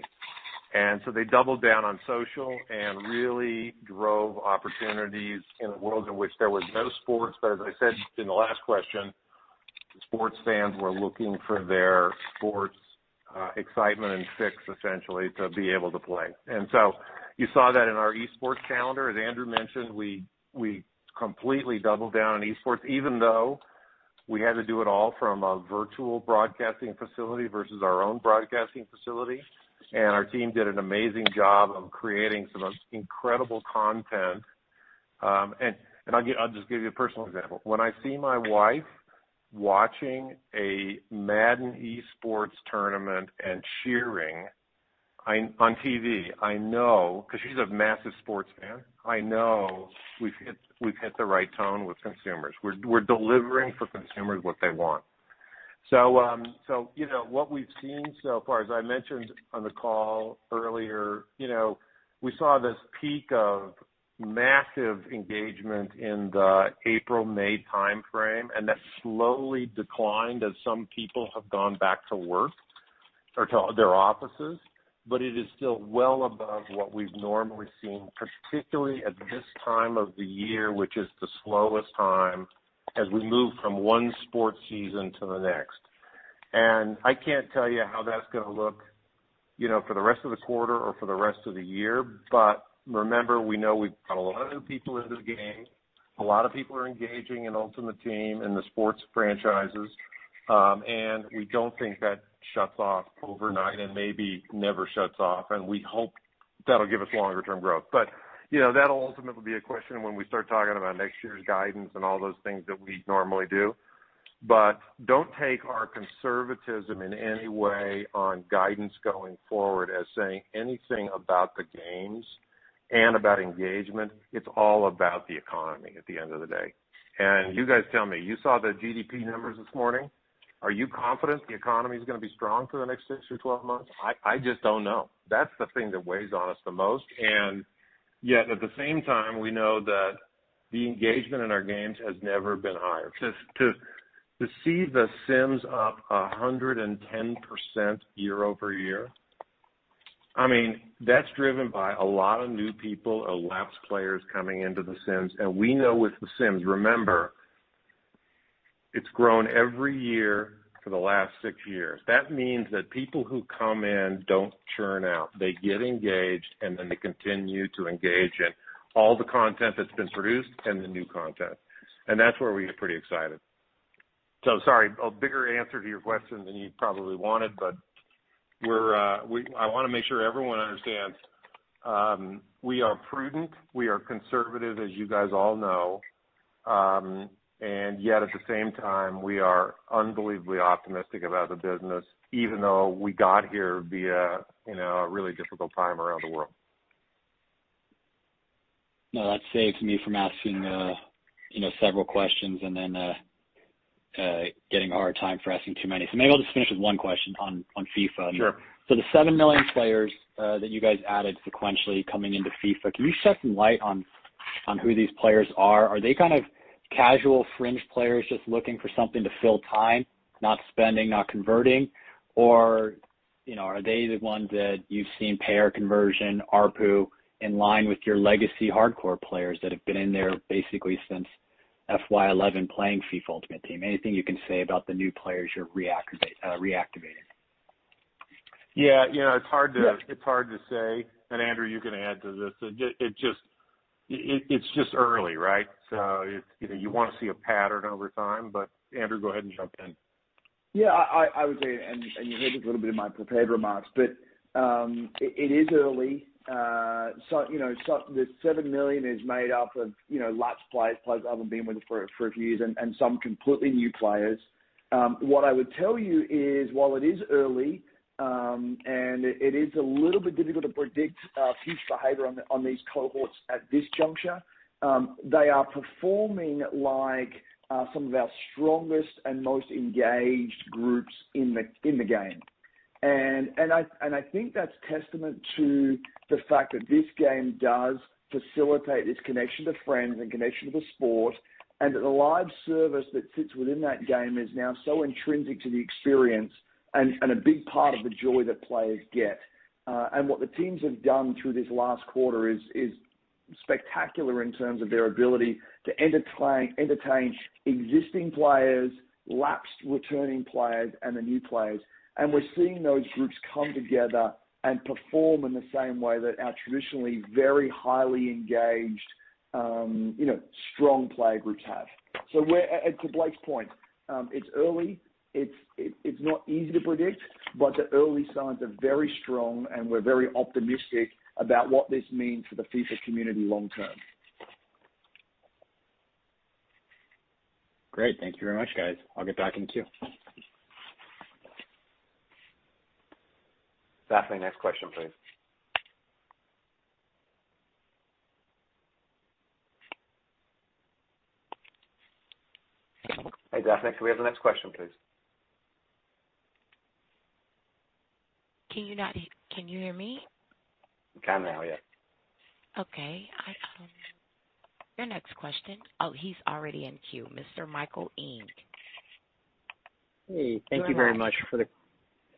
They doubled down on social and really drove opportunities in a world in which there was no sports. As I said in the last question, sports fans were looking for their sports excitement and fix, essentially, to be able to play. You saw that in our esports calendar. As Andrew mentioned, we completely doubled down on esports, even though we had to do it all from a virtual broadcasting facility versus our own broadcasting facility. Our team did an amazing job of creating some incredible content. I'll just give you a personal example. When I see my wife watching a Madden esports tournament and cheering on TV, I know, because she's a massive sports fan, I know we've hit the right tone with consumers. We're delivering for consumers what they want. What we've seen so far, as I mentioned on the call earlier, we saw this peak of massive engagement in the April-May timeframe, and that slowly declined as some people have gone back to work or to their offices. It is still well above what we've normally seen, particularly at this time of the year, which is the slowest time as we move from one sports season to the next. I can't tell you how that's going to look for the rest of the quarter or for the rest of the year. Remember, we know we've got a lot of new people into the game. A lot of people are engaging in Ultimate Team and the sports franchises, and we don't think that shuts off overnight and maybe never shuts off. We hope that'll give us longer-term growth. That'll ultimately be a question when we start talking about next year's guidance and all those things that we normally do. Don't take our conservatism in any way on guidance going forward as saying anything about the games and about engagement. It's all about the economy at the end of the day. You guys tell me, you saw the GDP numbers this morning. Are you confident the economy's going to be strong for the next six or 12 months? I just don't know. That's the thing that weighs on us the most, and yet at the same time, we know that the engagement in our games has never been higher. To see The Sims up 110% year-over-year, that's driven by a lot of new people, lapsed players coming into The Sims. We know with The Sims, remember, it's grown every year for the last six years. That means that people who come in don't churn out. They get engaged, and then they continue to engage in all the content that's been produced and the new content. That's where we get pretty excited. Sorry, a bigger answer to your question than you probably wanted, but I want to make sure everyone understands. We are prudent, we are conservative, as you guys all know, and yet at the same time, we are unbelievably optimistic about the business, even though we got here via a really difficult time around the world. No, that saves me from asking several questions and then getting a hard time for asking too many. Maybe I'll just finish with one question on FIFA. Sure. The 7 million players that you guys added sequentially coming into FIFA, can you shed some light on who these players are? Are they kind of casual fringe players just looking for something to fill time, not spending, not converting? Or are they the ones that you've seen payer conversion, ARPU, in line with your legacy hardcore players that have been in there basically since FY 2011 playing FIFA Ultimate Team? Anything you can say about the new players you're reactivating? Yeah. It's hard to say. Andrew, you can add to this. It's just early, right? You want to see a pattern over time, Andrew, go ahead and jump in. Yeah, I would say, you heard this a little bit in my prepared remarks. It is early. The 7 million is made up of lapsed players that haven't been with us for a few years, and some completely new players. What I would tell you is, while it is early, it is a little bit difficult to predict future behavior on these cohorts at this juncture, they are performing like some of our strongest and most engaged groups in the game. I think that's testament to the fact that this game does facilitate this connection to friends and connection to the sport, and that the live service that sits within that game is now so intrinsic to the experience and a big part of the joy that players get. What the teams have done through this last quarter is spectacular in terms of their ability to entertain existing players, lapsed returning players, and the new players. We're seeing those groups come together and perform in the same way that our traditionally very highly engaged strong player groups have. To Blake's point, it's early. It's not easy to predict, but the early signs are very strong, and we're very optimistic about what this means for the FIFA community long term. Great. Thank you very much, guys. I'll get back in the queue. Daphne, next question, please. Hey, Daphne, can we have the next question, please? Can you hear me? We can now, yeah. Okay. Oh, he's already in queue. Mr. Michael Ng. Hey.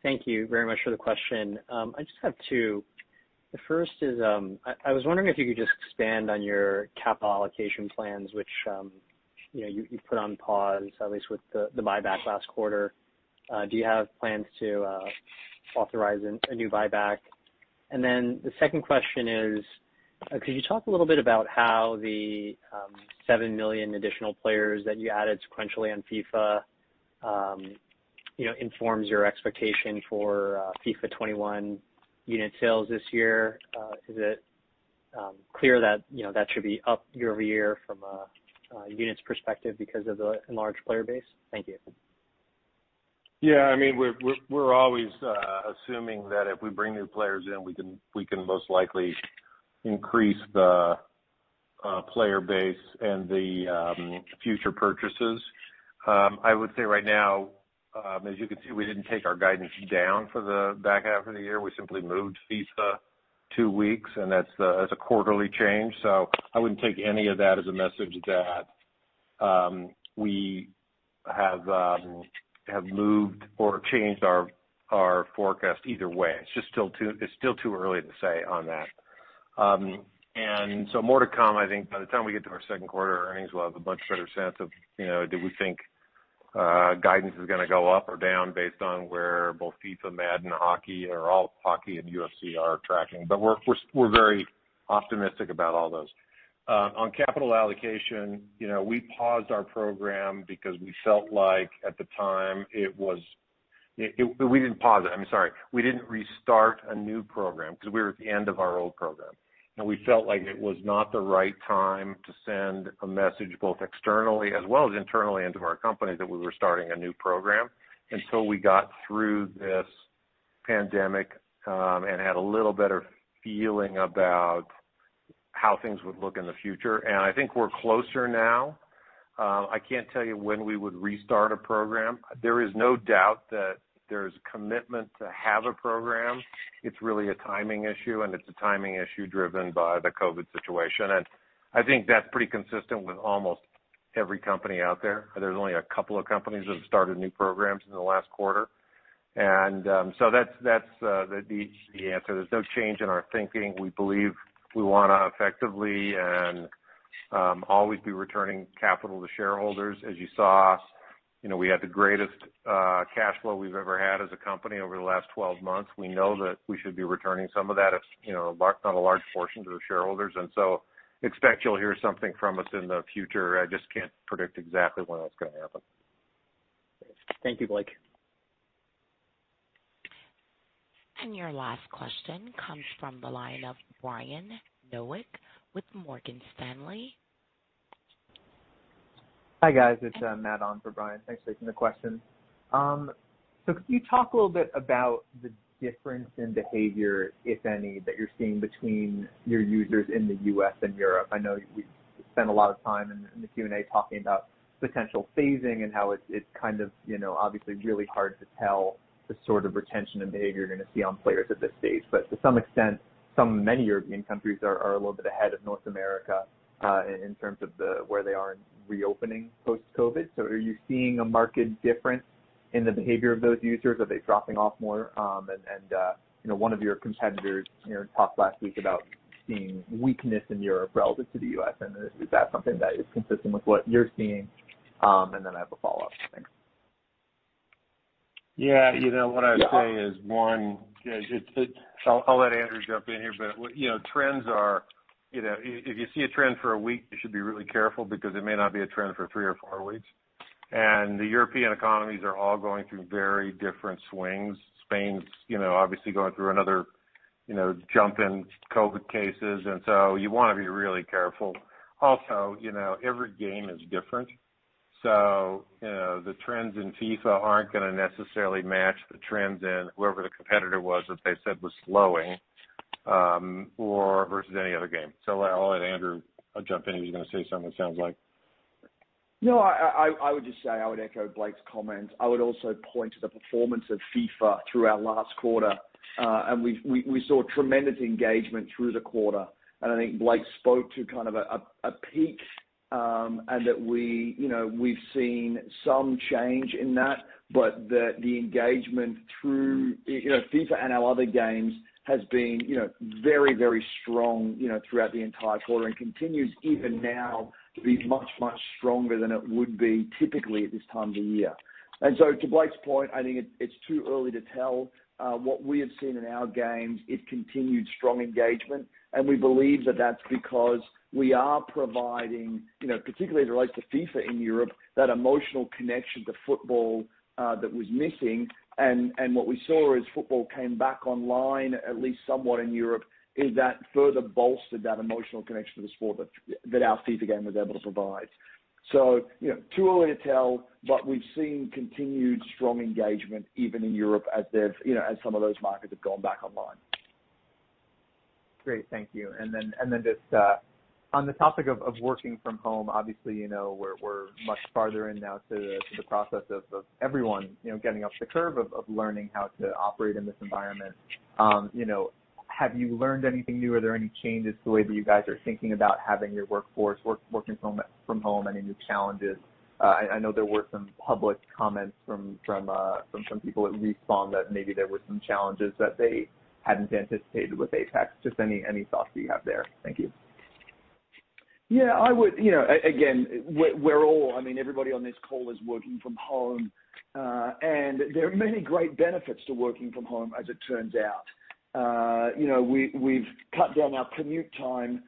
Thank you very much for the question. I just have two. The first is, I was wondering if you could just expand on your capital allocation plans, which you put on pause, at least with the buyback last quarter. Do you have plans to authorize a new buyback? The second question is, could you talk a little bit about how the seven million additional players that you added sequentially on FIFA informs your expectation for FIFA 21 unit sales this year? Is it clear that should be up year over year from a units perspective because of the enlarged player base? Thank you. Yeah. We're always assuming that if we bring new players in, we can most likely increase the player base and the future purchases. I would say right now, as you can see, we didn't take our guidance down for the back half of the year. We simply moved FIFA two weeks, that's a quarterly change. I wouldn't take any of that as a message that we have moved or changed our forecast either way. It's still too early to say on that. More to come. I think by the time we get to our second quarter earnings, we'll have a much better sense of do we think guidance is going to go up or down based on where both FIFA, Madden, NHL, or all Hockey and UFC are tracking. We're very optimistic about all those. On capital allocation, we paused our program because we felt like at the time. We didn't pause it, I'm sorry. We didn't restart a new program because we were at the end of our old program, and we felt like it was not the right time to send a message, both externally as well as internally into our company, that we were starting a new program until we got through this pandemic and had a little better feeling about how things would look in the future. I think we're closer now. I can't tell you when we would restart a program. There is no doubt that there's commitment to have a program. It's really a timing issue, and it's a timing issue driven by the COVID-19 situation. I think that's pretty consistent with almost every company out there. There's only a couple of companies that have started new programs in the last quarter. That's the answer. There's no change in our thinking. We believe we want to effectively and always be returning capital to shareholders. As you saw, we had the greatest cash flow we've ever had as a company over the last 12 months. We know that we should be returning some of that, if not a large portion, to the shareholders, and so expect you'll hear something from us in the future. I just can't predict exactly when that's going to happen. Thank you, Blake. Your last question comes from the line of Brian Nowak with Morgan Stanley. Hi, guys. It's Matt on for Brian. Thanks for taking the question. Could you talk a little bit about the difference in behavior, if any, that you're seeing between your users in the U.S. and Europe? I know we've spent a lot of time in the Q&A talking about potential phasing and how it's kind of obviously really hard to tell the sort of retention and behavior you're going to see on players at this stage. To some extent, many European countries are a little bit ahead of North America in terms of where they are in reopening post-COVID-19. Are you seeing a marked difference in the behavior of those users? Are they dropping off more? One of your competitors talked last week about seeing weakness in Europe relative to the U.S., and is that something that is consistent with what you're seeing? I have a follow-up. Thanks. What I would say is, one, I'll let Andrew jump in here, trends are- If you see a trend for a week, you should be really careful because it may not be a trend for three or four weeks. The European economies are all going through very different swings. Spain's obviously going through another jump in COVID-19 cases, you want to be really careful. Every game is different. The trends in FIFA aren't going to necessarily match the trends in whoever the competitor was that they said was slowing versus any other game. I'll let Andrew jump in. He was going to say something, it sounds like. No, I would just say I would echo Blake's comments. I would also point to the performance of FIFA through our last quarter. We saw tremendous engagement through the quarter, and I think Blake spoke to kind of a peak and that we've seen some change in that, but that the engagement through FIFA and our other games has been very strong throughout the entire quarter and continues even now to be much stronger than it would be typically at this time of the year. To Blake's point, I think it's too early to tell. What we have seen in our games is continued strong engagement, and we believe that that's because we are providing, particularly as it relates to FIFA in Europe, that emotional connection to football that was missing. What we saw as football came back online, at least somewhat in Europe, is that further bolstered that emotional connection to the sport that our FIFA game was able to provide. Too early to tell, but we've seen continued strong engagement even in Europe as some of those markets have gone back online. Great. Thank you. Just on the topic of working from home, obviously, we're much farther in now to the process of everyone getting up the curve of learning how to operate in this environment. Have you learned anything new? Are there any changes to the way that you guys are thinking about having your workforce working from home? Any new challenges? I know there were some public comments from some people at Respawn that maybe there were some challenges that they hadn't anticipated with Apex. Just any thoughts that you have there. Thank you. Again, we're all, everybody on this call is working from home. There are many great benefits to working from home as it turns out. We've cut down our commute time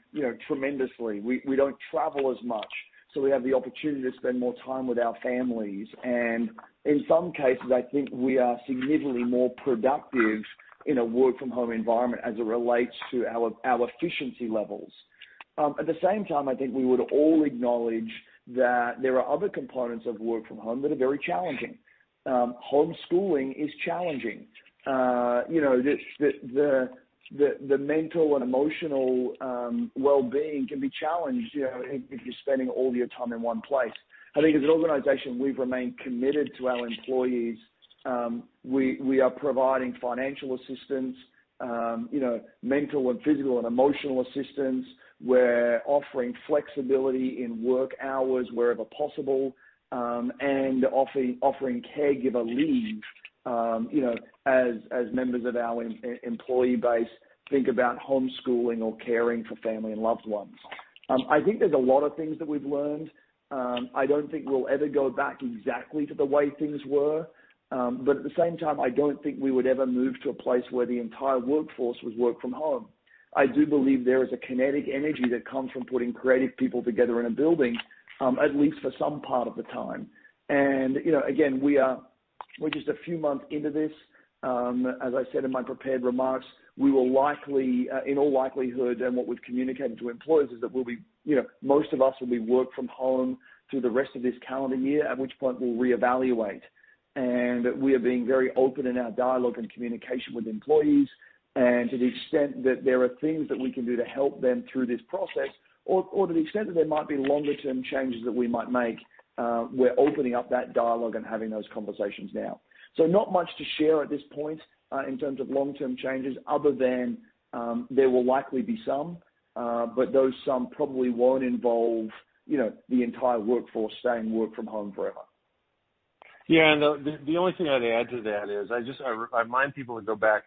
tremendously. We don't travel as much, so we have the opportunity to spend more time with our families. In some cases, I think we are significantly more productive in a work from home environment as it relates to our efficiency levels. At the same time, I think we would all acknowledge that there are other components of work from home that are very challenging. Home schooling is challenging. The mental and emotional well-being can be challenged if you're spending all your time in one place. I think as an organization, we've remained committed to our employees. We are providing financial assistance, mental and physical and emotional assistance. We're offering flexibility in work hours wherever possible and offering caregiver leave as members of our employee base think about homeschooling or caring for family and loved ones. I think there's a lot of things that we've learned. I don't think we'll ever go back exactly to the way things were. At the same time, I don't think we would ever move to a place where the entire workforce would work from home. I do believe there is a kinetic energy that comes from putting creative people together in a building, at least for some part of the time. Again, we're just a few months into this. As I said in my prepared remarks, in all likelihood, and what we've communicated to employees is that most of us will be work from home through the rest of this calendar year, at which point we'll reevaluate. We are being very open in our dialogue and communication with employees. To the extent that there are things that we can do to help them through this process or to the extent that there might be longer-term changes that we might make, we're opening up that dialogue and having those conversations now. Not much to share at this point in terms of long-term changes other than there will likely be some. Those some probably won't involve the entire workforce staying work from home forever. The only thing I'd add to that is I remind people to go back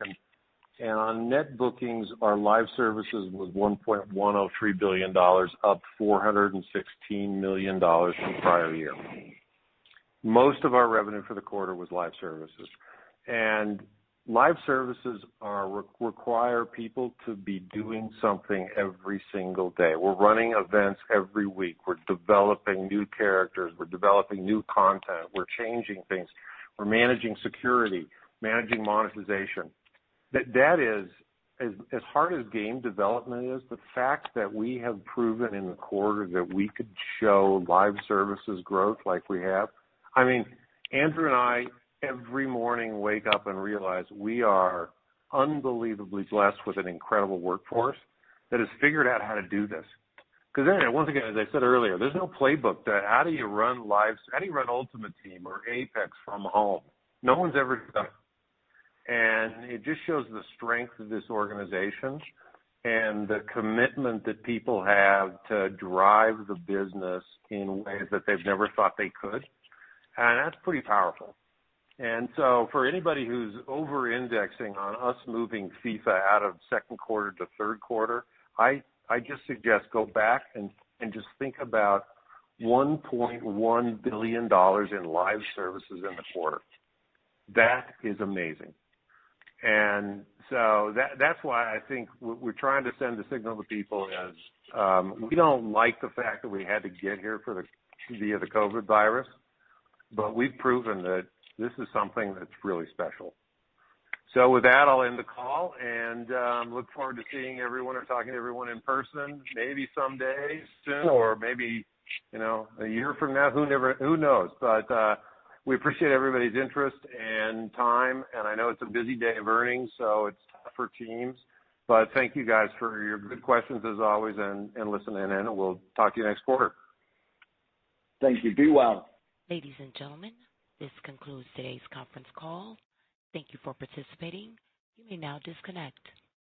and on net bookings, our live services was $1.103 billion, up $416 million from prior year. Most of our revenue for the quarter was live services. Live services require people to be doing something every single day. We're running events every week. We're developing new characters. We're developing new content. We're changing things. We're managing security, managing monetization. As hard as game development is, the fact that we have proven in the quarter that we could show live services growth like we have. Andrew and I every morning wake up and realize we are unbelievably blessed with an incredible workforce that has figured out how to do this. Once again, as I said earlier, there's no playbook to how do you run Ultimate Team or Apex from home. No one's ever done it. It just shows the strength of this organization and the commitment that people have to drive the business in ways that they've never thought they could. That's pretty powerful. For anybody who's over-indexing on us moving FIFA out of second quarter to third quarter, I just suggest go back and just think about $1.1 billion in live services in the quarter. That is amazing. That's why I think what we're trying to send a signal to people is we don't like the fact that we had to get here via the COVID virus, but we've proven that this is something that's really special. With that, I'll end the call and look forward to seeing everyone or talking to everyone in person maybe someday soon or maybe a year from now. Who knows? We appreciate everybody's interest and time, and I know it's a busy day of earnings, so it's tough for teams. Thank you guys for your good questions as always and listening in, and we'll talk to you next quarter. Thank you. Be well. Ladies and gentlemen, this concludes today's conference call. Thank you for participating. You may now disconnect.